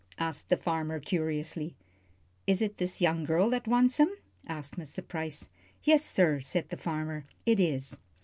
asked the farmer, curiously. "Is it this young girl that wants 'em?" asked Mr. Price. "Yes, sir," said the farmer, "it is."